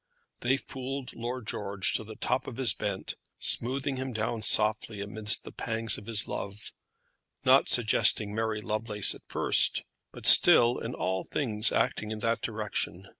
They fooled Lord George to the top of his bent, smoothing him down softly amidst the pangs of his love, not suggesting Mary Lovelace at first, but still in all things acting in that direction.